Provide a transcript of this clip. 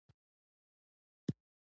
بختور هغه خلک وو چې سپی یې درلود.